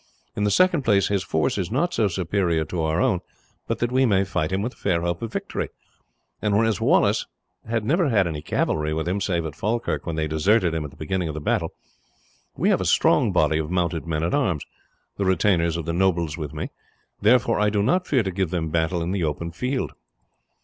In the second place his force is not so superior to our own but that we may fight him with a fair hope of victory; and whereas Wallace had never any cavalry with him, save at Falkirk when they deserted him at the beginning of the battle, we have a strong body of mounted men at arms, the retainers of the nobles with me, therefore I do not fear to give them battle in the open field."